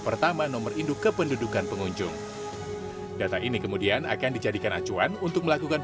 pertama nomor induk kependudukan pengunjung data ini kemudian akan dijadikan acuan untuk melakukan